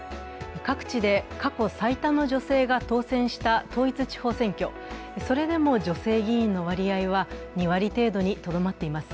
各地で過去最多の女性が当選した統一地方選挙、それでも女性議員の割合は２割程度にとどまっています。